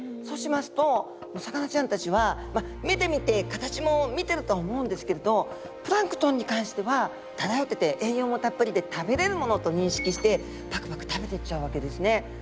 そうしますとお魚ちゃんたちは目で見て形も見てるとは思うんですけれどプランクトンに関しては漂ってて栄養もたっぷりで食べれるものと認識してパクパク食べてっちゃうわけですね。